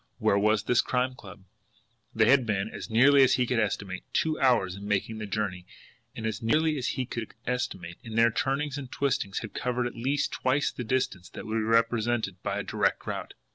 Where was this Crime Club? They had been, as nearly as he could estimate, two hours in making the journey; and, as nearly as he could estimate, in their turnings and twistings had covered at least twice the distance that would be represented by a direct route.